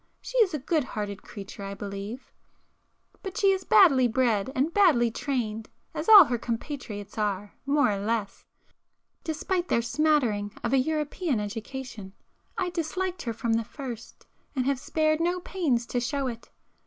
She is a good hearted creature I believe,—but she is badly bred and badly trained as all her compatriots are, more or less, despite their smattering of an European education; I disliked her from the first, and have spared no pains to show it.